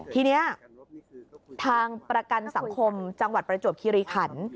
ทีนี้ทางประกันสังคมจังหวัดประจวบคิริขัน